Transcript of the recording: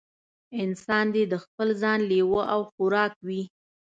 انسان دې د خپل ځان لېوه او خوراک وي.